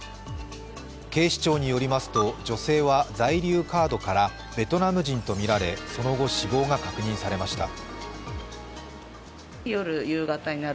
警視庁によりますと女性は在留カードからベトナム人とみられ、その後、死亡が確認されました。